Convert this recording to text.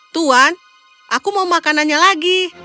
tuan aku mau makanannya lagi